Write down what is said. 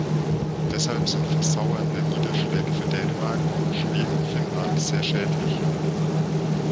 Deshalb sind versauernde Niederschläge für Dänemark, Schweden und Finnland sehr schädlich.